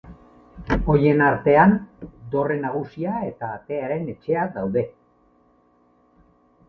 Horien artean, dorre nagusia eta atearen etxea daude.